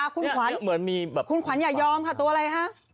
คุณขวัญอย่ายอมค่ะตัวอะไร